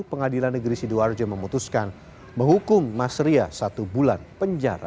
pengadilan negeri sidoarjo memutuskan menghukum mas ria satu bulan penjara